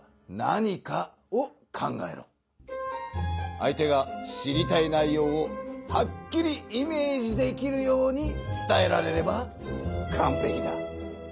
相手が知りたい内ようをはっきりイメージできるように伝えられればかんぺきだ。